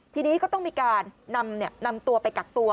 ทีนี้ก็ต้องมีการนำตัวไปกักตัว